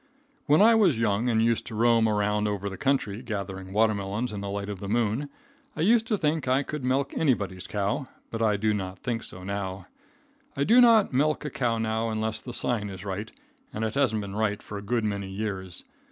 When I was young and used to roam around over the country, gathering water melons in the light of the moon, I used to think I could milk anybody's cow, but I do not think so now. I do not milk a cow now unless the sign is right, and it hasn't been right for a good many years.